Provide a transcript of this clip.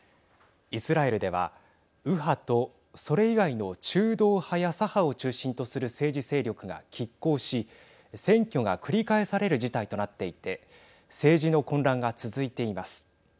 イスラエルでは右派とそれ以外の中道派や左派を中心とする政治勢力が、きっ抗し選挙が繰り返される事態となっていて政治の混乱が続いています。